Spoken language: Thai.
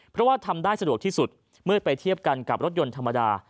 เพราะว่าทำได้สะดวกที่สุดเมื่อไปเทียบกันกับรถยนต์ธรรมดา